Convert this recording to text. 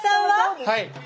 はい。